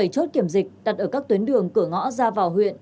bảy chốt kiểm dịch đặt ở các tuyến đường cửa ngõ ra vào huyện